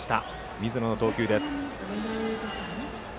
水野の投球です。